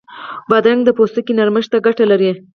بادرنګ د پوستکي نرمښت ته ګټه لري.